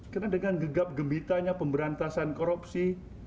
karena dengan gegap gembitanya pemberantasan korupsi